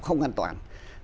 không an toàn